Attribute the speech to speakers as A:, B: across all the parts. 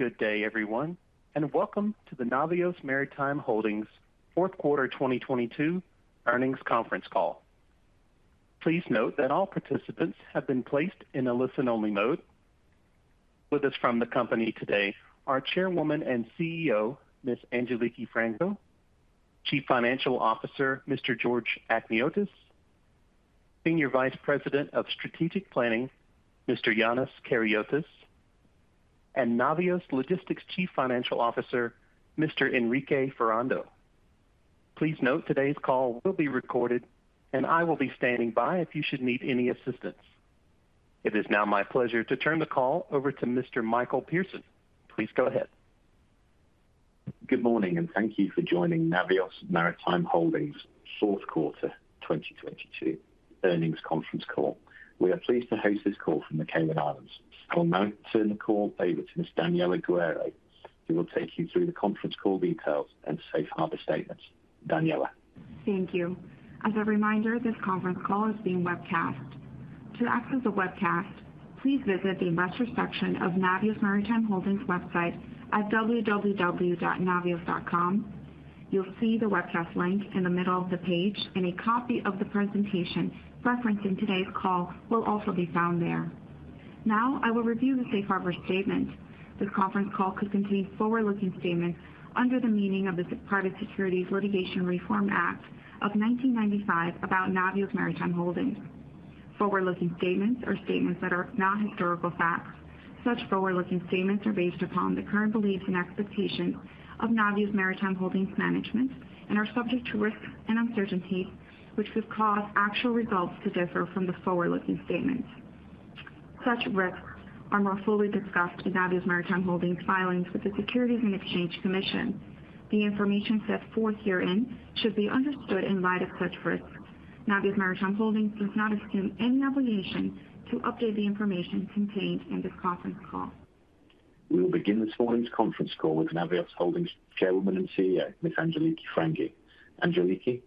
A: Good day, everyone, and welcome to the Navios Maritime Holdings Fourth Quarter 2022 Earnings Conference Call. Please note that all participants have been placed in a listen-only mode. With us from the company today, our Chairwoman and CEO, Ms. Angeliki Frangou, Chief Financial Officer, Mr. George Achniotis, Senior Vice President of Strategic Planning, Mr. Ioannis Karyotis, and Navios Logistics Chief Financial Officer, Mr. Enrique Ferrando. Please note today's call will be recorded. I will be standing by if you should need any assistance. It is now my pleasure to turn the call over to Mr. Michael Pearson. Please go ahead.
B: Good morning, thank you for joining Navios Maritime Holdings Fourth Quarter 2022 Earnings Conference Call. We are pleased to host this call from the Cayman Islands. I'll now turn the call over to Ms. Daniela Guerrero, who will take you through the conference call details and safe harbor statements. Daniela.
C: Thank you. As a reminder, this conference call is being webcast. To access the webcast, please visit the Investor section of Navios Maritime Holdings website at www.navios.com. You'll see the webcast link in the middle of the page, and a copy of the presentation referenced in today's call will also be found there. Now I will review the safe harbor statement. This conference call could contain forward-looking statements under the meaning of the Private Securities Litigation Reform Act of 1995 about Navios Maritime Holdings. Forward-looking statements are statements that are not historical facts. Such forward-looking statements are based upon the current beliefs and expectations of Navios Maritime Holdings management and are subject to risks and uncertainties which could cause actual results to differ from the forward-looking statements. Such risks are more fully discussed in Navios Maritime Holdings filings with the Securities and Exchange Commission. The information set forth herein should be understood in light of such risks. Navios Maritime Holdings does not assume any obligation to update the information contained in this conference call.
B: We will begin this morning's conference call with Navios Holdings Chairwoman and CEO, Ms. Angeliki Frangou. Angeliki.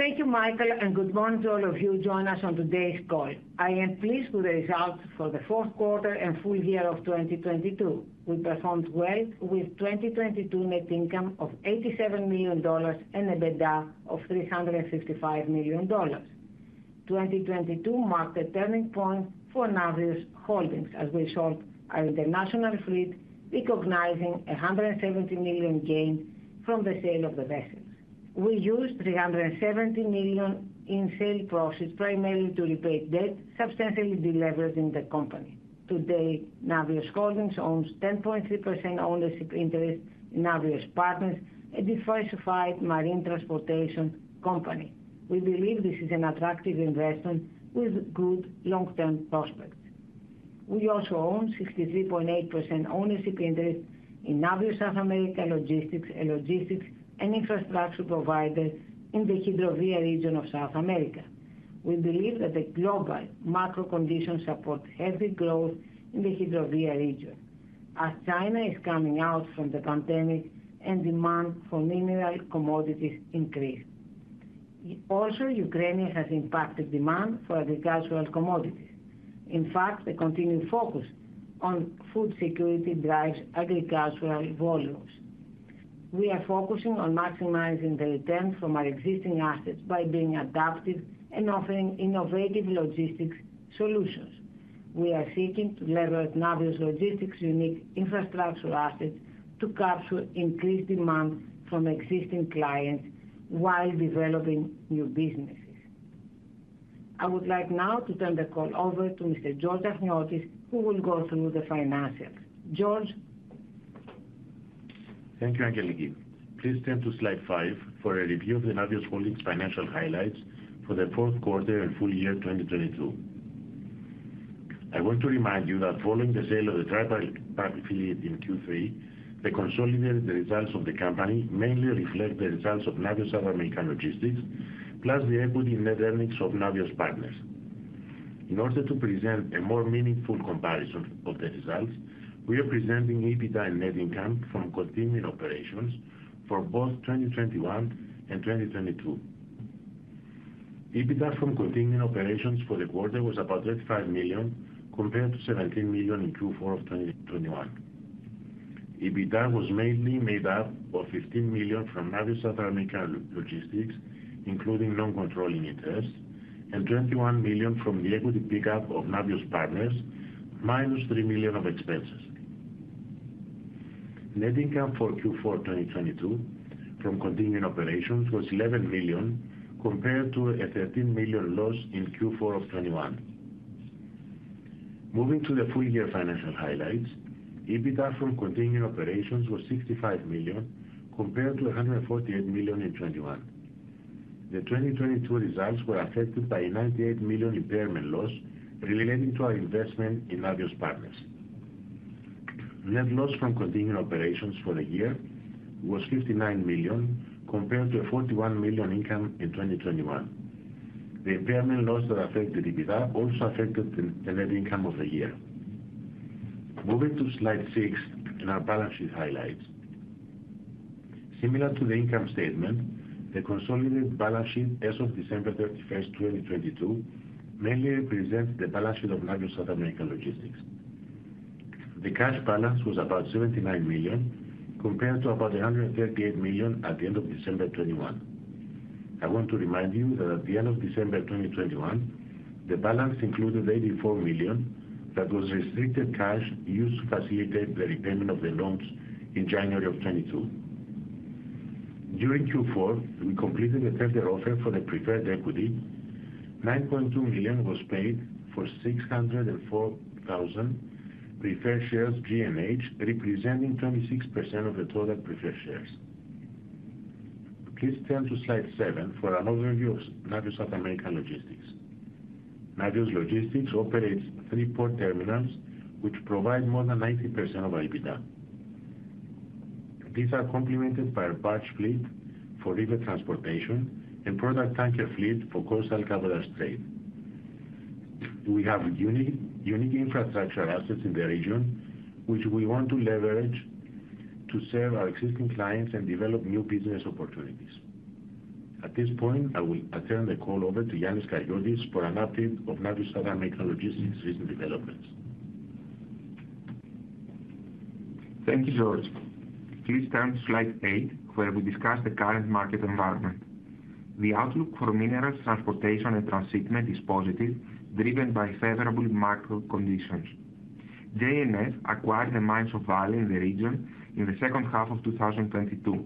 D: Thank you, Michael, and good morning to all of you joining us on today's call. I am pleased with the results for the fourth quarter and full year of 2022. We performed well with 2022 net income of $87 million and EBITDA of $355 million. 2022 marked a turning point for Navios Holdings as we sold our international fleet, recognizing a $170 million gain from the sale of the vessels. We used $370 million in sale proceeds primarily to repay debt, substantially de-leveraging the company. Today, Navios Holdings owns 10.3% ownership interest in Navios Partners, a diversified marine transportation company. We believe this is an attractive investment with good long-term prospects. We own 63.8% ownership interest in Navios South American Logistics, a logistics and infrastructure provider in the Hidrovia region of South America. We believe that the global macro conditions support heavy growth in the Hidrovia region as China is coming out from the pandemic and demand for mineral commodities increase. Ukraine has impacted demand for agricultural commodities. The continued focus on food security drives agricultural volumes. We are focusing on maximizing the returns from our existing assets by being adaptive and offering innovative logistics solutions. We are seeking to leverage Navios Logistics unique infrastructure assets to capture increased demand from existing clients while developing new businesses. I would like now to turn the call over to Mr. George Achniotis, who will go through the financials. George.
A: Thank you, Angeliki. Please turn to Slide 5 for a review of the Navios Holdings financial highlights for the fourth quarter and full year 2022. I want to remind you that following the sale of the dry bulk carrier fleet in Q3, the consolidated results of the company mainly reflect the results of Navios South American Logistics, plus the equity net earnings of Navios Partners. In order to present a more meaningful comparison of the results, we are presenting EBITDA and net income from continuing operations for both 2021 and 2022. EBITDA from continuing operations for the quarter was about $35 million, compared to $17 million in Q4 of 2021. EBITDA was mainly made up of $15 million from Navios South American Logistics, including non-controlling interests and $21 million from the equity pickup of Navios Partners, minus $3 million of expenses. Net income for Q4 2022 from continuing operations was $11 million, compared to a $13 million loss in Q4 of 2021. Moving to the full year financial highlights. EBITDA from continuing operations was $65 million, compared to $148 million in 2021. The 2022 results were affected by a $98 million impairment loss relating to our investment in Navios Partners. Net loss from continuing operations for the year was $59 million, compared to a $41 million income in 2021. The impairment loss that affected EBITDA also affected the net income of the year. Moving to Slide 6 in our balance sheet highlights. Similar to the income statement, the consolidated balance sheet as of December 31st, 2022 mainly represents the balance sheet of Navios South American Logistics. The cash balance was about $79 million, compared to about $138 million at the end of December 2021. I want to remind you that at the end of December 2021, the balance included $84 million that was restricted cash used to facilitate the repayment of the loans in January of 2022. During Q4, we completed the tender offer for the preferred equity. $9.2 million was paid for 604,000 preferred shares G&H, representing 26% of the total preferred shares. Please turn to Slide 7 for an overview of Navios South American Logistics. Navios Logistics operates three port terminals, which provide more than 90% of EBITDA. These are complemented by a barge fleet for river transportation and product tanker fleet for coastal cabotage trade. We have unique infrastructure assets in the region, which we want to leverage to serve our existing clients and develop new business opportunities. At this point, I turn the call over to Ioannis Karyotis for an update of Navios South American Logistics recent developments.
E: Thank you, George. Please turn to Slide 8, where we discuss the current market environment. The outlook for minerals transportation and transshipment is positive, driven by favorable macro conditions. JNF acquired the mines of Vale in the region in the second half of 2022.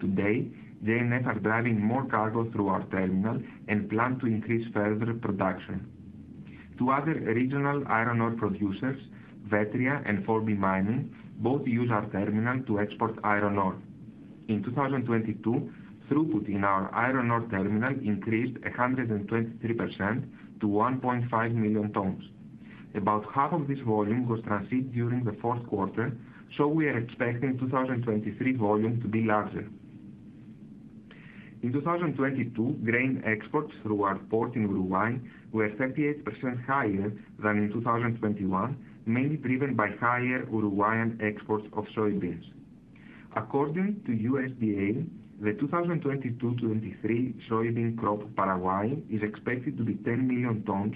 E: Today, J&F are driving more cargo through our terminal and plan to increase further production. Two other regional iron ore producers, Vetria and 4B Mining, both use our terminal to export iron ore. In 2022, throughput in our iron ore terminal increased 123% to 1.5 million tons. About half of this volume was transshipped during the fourth quarter, we are expecting 2023 volume to be larger. In 2022, grain exports through our port in Uruguay were 38% higher than in 2021, mainly driven by higher Uruguayan exports of soybeans. According to USDA, the 2022/2023 soybean crop of Paraguay is expected to be 10 million tons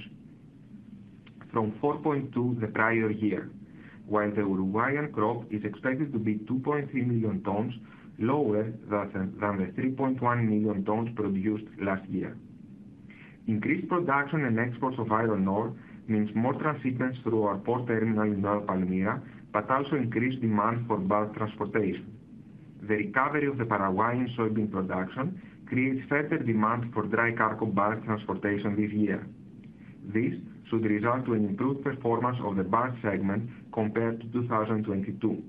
E: from 4.2 million tons the prior year, while the Uruguayan crop is expected to be 2.3 million tons lower than the 3.1 million tons produced last year. Increased production and exports of iron ore means more transshipments through our port terminal in Nueva Palmira, also increased demand for bulk transportation. The recovery of the Paraguayan soybean production creates further demand for dry cargo bulk transportation this year. This should result to an improved performance of the barge segment compared to 2022.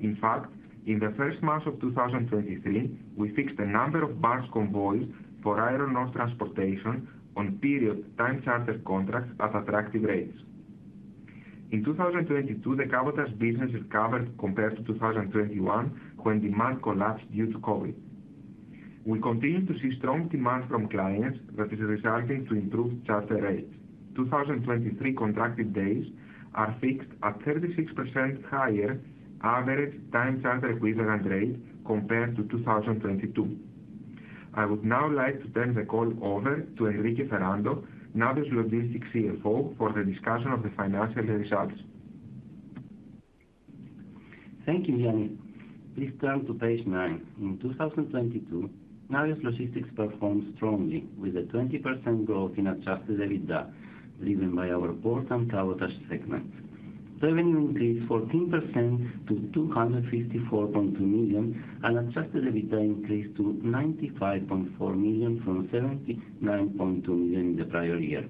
E: In fact, in the first months of 2023, we fixed a number of barge convoys for iron ore transportation on period time charter contracts at attractive rates. In 2022, the cabotage business recovered compared to 2021, when demand collapsed due to COVID. We continue to see strong demand from clients that is resulting to improved charter rates. 2023 contracted days are fixed at 36% higher average time charter equivalent rate compared to 2022. I would now like to turn the call over to Enrique Ferrando, Navios Logistics CFO, for the discussion of the financial results.
F: Thank you, Ioannis. Please turn to page nine. In 2022, Navios Logistics performed strongly, with a 20% growth in Adjusted EBITDA, driven by our port and cabotage segment. Revenue increased 14% to $254.2 million, and Adjusted EBITDA increased to $95.4 million from $79.2 million in the prior year.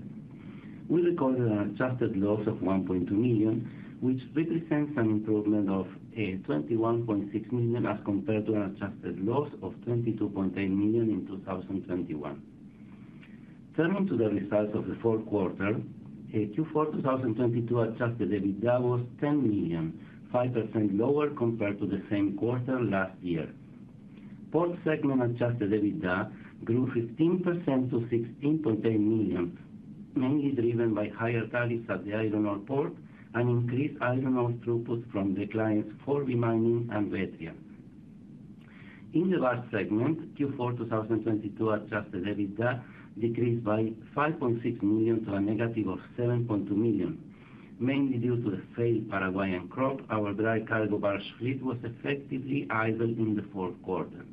F: We recorded an adjusted loss of $1.2 million, which represents an improvement of $21.6 million as compared to an adjusted loss of $22.8 million in 2021. Turning to the results of the fourth quarter, Q4 2022 Adjusted EBITDA was $10 million, 5% lower compared to the same quarter last year. Port segment Adjusted EBITDA grew 15% to $16.8 million, mainly driven by higher tariffs at the iron ore port and increased iron ore throughput from the clients 4B Mining and Vetria. In the barge segment, Q4 2022 Adjusted EBITDA decreased by $5.6 million to a negative of $7.2 million, mainly due to the failed Paraguayan crop. Our dry cargo barge fleet was effectively idle in the fourth quarter.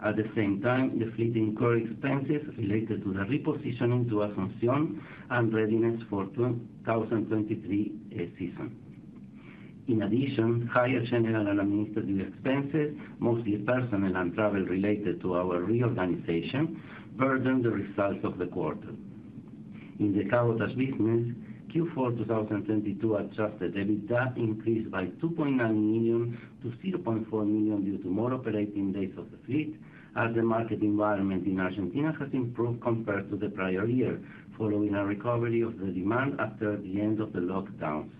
F: At the same time, the fleet incurred expenses related to the repositioning to Asunción and readiness for 2023 season. In addition, higher general and administrative expenses, mostly personnel and travel related to our reorganization, burdened the results of the quarter. In the cabotage business, Q4 2022 Adjusted EBITDA increased by $2.9 million to $0.4 million due to more operating days of the fleet, as the market environment in Argentina has improved compared to the prior year, following a recovery of the demand after the end of the lockdowns.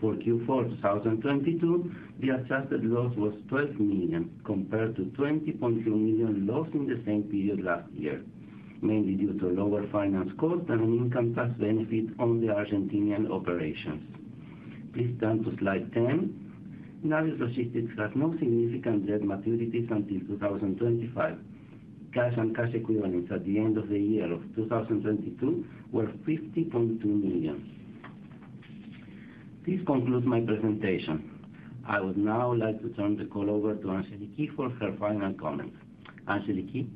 F: For Q4 2022, the adjusted loss was $12 million, compared to $20.2 million loss in the same period last year, mainly due to lower finance costs and an income tax benefit on the Argentinian operations. Please turn to slide 10. Navios Logistics has no significant debt maturities until 2025. Cash and cash equivalents at the end of the year of 2022 were $50.2 million. This concludes my presentation. I would now like to turn the call over to Angeliki for her final comments. Angeliki?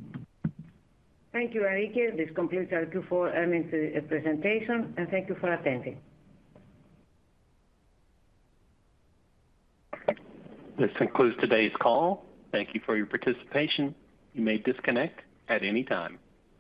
A: Thank you, Enrique. This concludes our Q4 earnings presentation, and thank you for attending. This concludes today's call. Thank you for your participation. You may disconnect at any time.